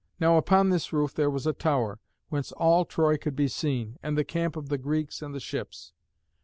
Now upon this roof there was a tower, whence all Troy could be seen, and the camp of the Greeks and the ships.